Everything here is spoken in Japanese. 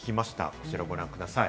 こちらをご覧ください。